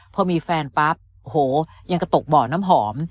พอมีแฟนปั๊บโอ้โหยังกระตกบ่อน้ำหอม